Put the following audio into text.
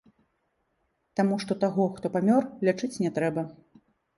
Таму што таго, хто памёр, лячыць не трэба.